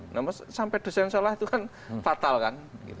namun sampai desain salah itu kan fatal kan